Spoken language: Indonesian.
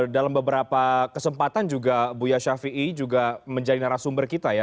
dalam beberapa kesempatan juga buya syafiee juga menjadi narasumber kita ya